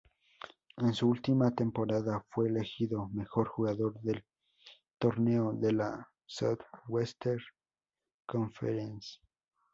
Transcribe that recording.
En su última temporada fue elegido mejor jugador del torneo de la Southwest Conference.